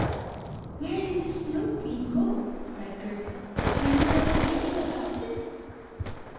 '' "Where did the Snow Queen go?'* cried Gerda. "Do you know anything about it?'